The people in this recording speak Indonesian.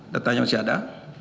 datanya masih ada